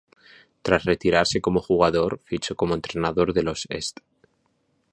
Tras retirarse como jugador, fichó como entrenador de los St.